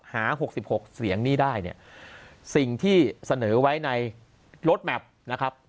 หาหกสิบหกเสียงนี่ได้เนี้ยสิ่งที่เสนอไว้ในนะครับ